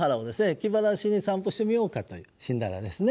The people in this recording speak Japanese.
気晴らしに散歩してみようかという死んだらですね。